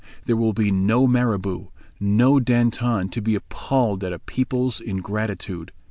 There will be no Maribeau, no Danton to be appalled at a people's ingratitude.